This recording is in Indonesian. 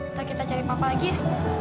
ntar kita cari papa lagi ya